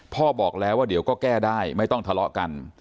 พ่อบอกแล้วว่าเดี๋ยวก็แก้ได้ไม่ต้องคารักกัน